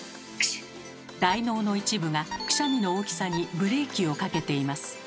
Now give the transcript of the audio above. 大脳の一部がくしゃみの大きさにブレーキをかけています。